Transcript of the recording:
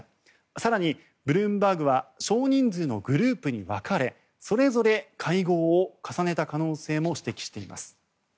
更に、ブルームバーグは少人数のグループに分かれそれぞれ会合を重ねた可能性も指摘しています。